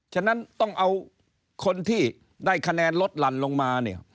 ฉะนั้นต้องเอาคนที่ได้คะแนนลดหลั่นลงมาเนี่ย